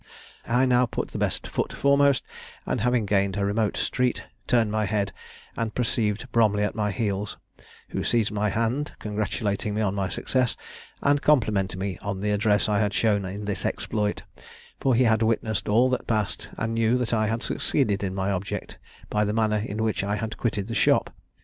I now put the best foot foremost, and having gained a remote street, turned my head, and perceived Bromley at my heels, who seized my hand, congratulating me on my success, and complimenting me on the address I had shown in this exploit; for he had witnessed all that passed, and knew that I had succeeded in my object, by the manner in which I quitted the shop.